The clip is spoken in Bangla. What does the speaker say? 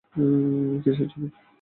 কিসের ছবি?